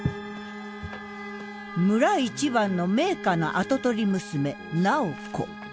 村一番の名家の跡取り娘楠宝子。